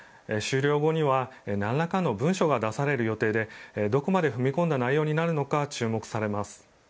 終了後にはなんらかの文章が出される予定でどこまで踏み込んだ内容になるか注目されます。